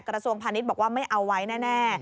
กระทรวงพาณิชย์บอกว่าไม่เอาไว้แน่